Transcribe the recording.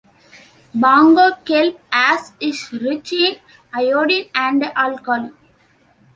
Bongo kelp ash is rich in iodine and alkali.